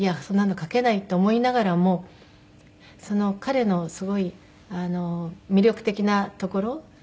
そんなの書けないって思いながらも彼のすごい魅力的なところ。